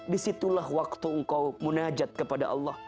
disitulah waktu engkau munajat kepada allah